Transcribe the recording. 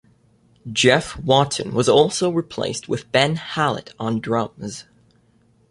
Jeff Watson was also replaced with Ben Hallet on drums.